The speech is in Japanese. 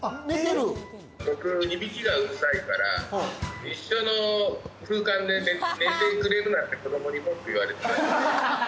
僕いびきがうるさいから、一緒の空間で寝てくれるなって子どもに文句言われて。